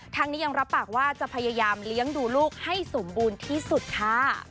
ทั้งนี้ยังรับปากว่าจะพยายามเลี้ยงดูลูกให้สมบูรณ์ที่สุดค่ะ